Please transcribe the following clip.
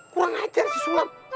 kurang ajar susulam